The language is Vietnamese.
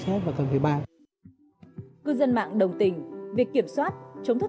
thế nào thì ta cần phải theo xét và cần người bạn cư dân mạng đồng tình việc kiểm soát chống thất